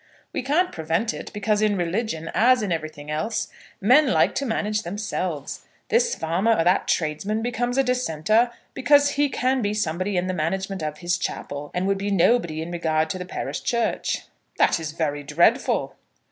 "We can't prevent it, because, in religion as in everything else, men like to manage themselves. This farmer or that tradesman becomes a dissenter because he can be somebody in the management of his chapel, and would be nobody in regard to the parish church." "That is very dreadful."